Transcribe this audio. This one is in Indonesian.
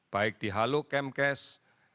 baik di halo camcast satu ratus sembilan belas